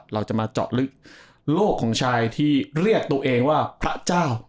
เราจะมาเจาะลึกโลกของชายที่เรียกตัวเองว่าพระเจ้า